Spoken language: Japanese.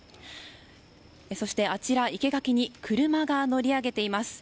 そして、あちら生け垣に車が乗りあげています。